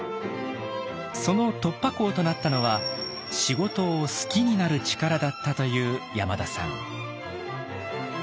その突破口となったのは仕事を「好きになる力」だったという山田さん。